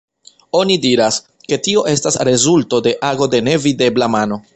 Oni diras, ke tio estas rezulto de ago de nevidebla mano.